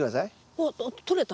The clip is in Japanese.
あっ取れた。